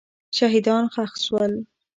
شهیدان ښخ سول.